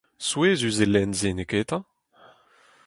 Souezhus eo lenn se, neketa ?